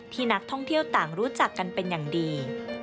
นักท่องเที่ยวต่างรู้จักกันเป็นอย่างดี